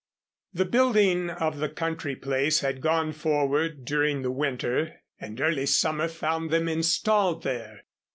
The building of the country place had gone forward during the winter, and early summer found them installed there.